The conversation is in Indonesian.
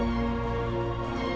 tangan semua kamu